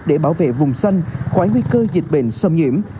để bảo vệ vùng xanh khỏi nguy cơ dịch covid một mươi chín